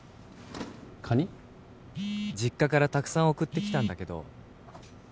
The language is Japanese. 「実家からたくさん送ってきたんだけど」